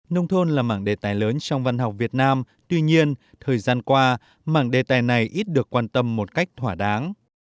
nông thôn là mảng đề tài lớn trong văn học việt nam tuy nhiên thời gian qua mảng đề tài này ít được quan tâm một cách thỏa đáng